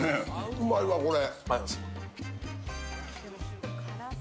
うまいわ、これ。